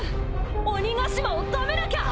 鬼ヶ島を止めなきゃ！